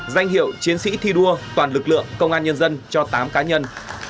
danh hiệu chiến sĩ thi đua toàn lực lượng công an nhân dân cho tám cá nhân